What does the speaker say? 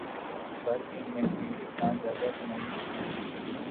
فرق ان میں کوئی اتنا زیادہ تو نہیں تھا